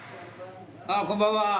ああこんばんは。